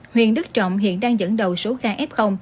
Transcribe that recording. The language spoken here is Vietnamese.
huyện đức trọng hiện đang dẫn đầu số ca f